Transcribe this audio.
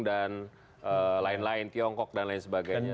dan lain lain tiongkok dan lain sebagainya